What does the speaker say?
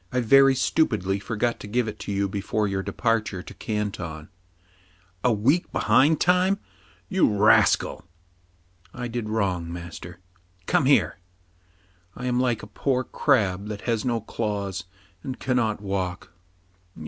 " I very stupidly forgot to give it to you before your departure to Canton. " A week behind time, you rascal !" I did wrong, master. " Come here. " I am like a poor crab that has no claws, and cannot walk.